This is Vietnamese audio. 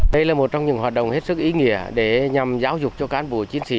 đây là một trong những hoạt động hết sức ý nghĩa để nhằm giáo dục cho cán bộ chiến sĩ